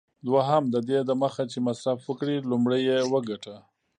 دوهم: ددې دمخه چي مصرف وکړې، لومړی یې وګټه.